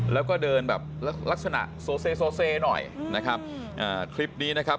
แล้วก็เดินแบบลักษณะโซเซโซเซหน่อยนะครับอ่าคลิปนี้นะครับ